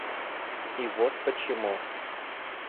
И вот почему.